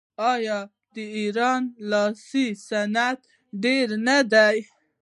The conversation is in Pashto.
آیا د ایران لاسي صنایع ډیر نه دي؟